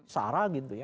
sarah gitu ya